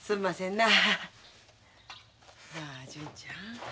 なあ純ちゃん。